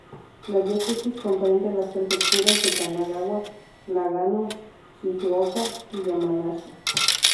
La diócesis comprende las prefecturas de Kanagawa, Nagano, Shizuoka y Yamanashi.